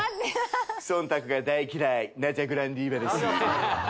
忖度が大嫌いナジャ・グランディーバです